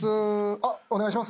あっお願いします